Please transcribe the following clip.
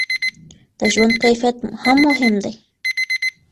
د ژوند کیفیت هم مهم دی.